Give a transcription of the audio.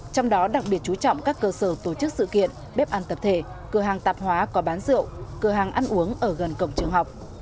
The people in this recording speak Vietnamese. trong đó đặc biệt chú trọng các cơ sở tổ chức sự kiện bếp ăn tập thể cửa hàng tạp hóa có bán rượu cửa hàng ăn uống ở gần cổng trường học